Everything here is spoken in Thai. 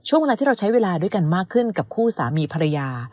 เวลาที่เราใช้เวลาด้วยกันมากขึ้นกับคู่สามีภรรยา